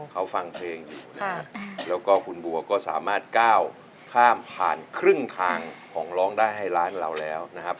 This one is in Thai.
เขาฟังเพลงอยู่นะครับแล้วก็คุณบัวก็สามารถก้าวข้ามผ่านครึ่งทางของร้องได้ให้ร้านเราแล้วนะครับ